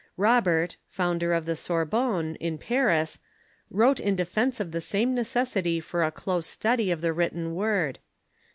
Robert, founder of the Sorbonne, in Paris, wrote in defence of the same neces sity for a close study of the written word.